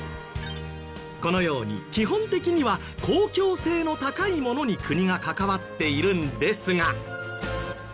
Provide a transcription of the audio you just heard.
このように基本的には公共性の高いものに国が関わっているんですが。